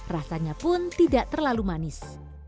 rasanya pun tidak terlalu manis